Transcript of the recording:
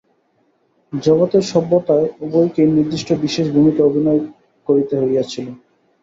জগতের সভ্যতায় উভয়কেই নির্দিষ্ট বিশেষ ভূমিকা অভিনয় করিতে হইয়াছিল।